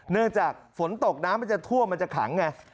เนื่องจากฝนตกน้ำมันจะทั่วรับเงินไหม